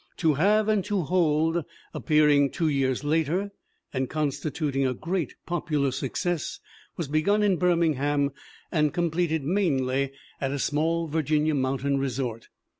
To Have and To Hold, appearing two years later and constituting a great popular success, was begun in Birmingham and completed mainly at a small Virginia mountain resort.